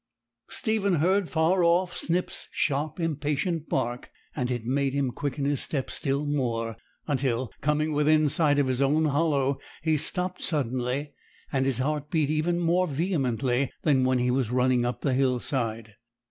Stephen heard far off Snip's sharp, impatient bark, and it made him quicken his steps still more, until, coming within sight of his own Hollow, he stopped suddenly, and his heart beat even more vehemently than when he was running up the hillside.